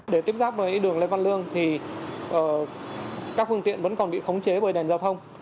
để tiếp giáp với đường lê văn lương thì các phương tiện vẫn còn bị khống chế bởi đèn giao thông